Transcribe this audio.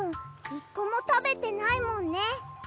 １こもたべてないもんね。